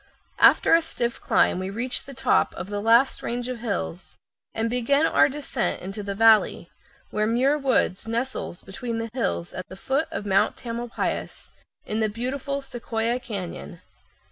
After a stiff climb we reach the top of the last range of hills and begin our descent into the valley, where Muir Woods nestles between the hills at the foot of Mount Tamalpais, in the beautiful Sequoia Cañon.